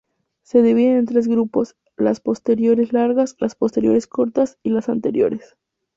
Se dividen en tres grupos, las "posteriores largas", las "posteriores cortas" y las "anteriores".